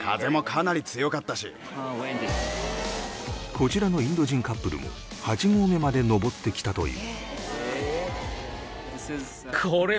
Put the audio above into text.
こちらのインド人カップルも８合目まで登ってきたという